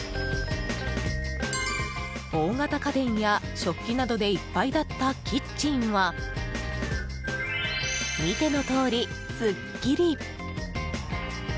大型家電や食器などでいっぱいだったキッチンは見てのとおり、すっきり。